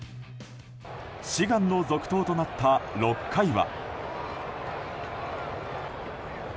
志願の続投となった６回は。